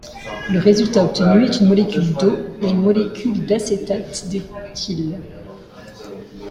Le résultat obtenu est une molécule d’eau et une molécule d’acétate d’éthyle.